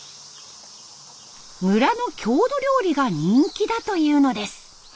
村の郷土料理が人気だというのです。